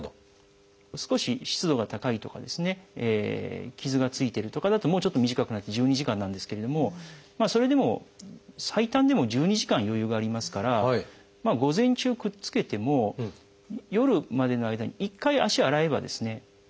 少し湿度が高いとか傷がついてるとかだともうちょっと短くなって１２時間なんですけれどもそれでも最短でも１２時間余裕がありますから午前中くっつけても夜までの間に一回足を洗えば落ちちゃうんですね。